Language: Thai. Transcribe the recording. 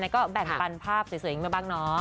ก็แบ่งกันภาพสวยอย่างนี้มาบ้างเนอะ